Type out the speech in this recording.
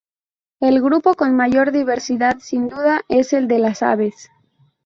El grupo con mayor diversidad, sin duda, es el de las aves.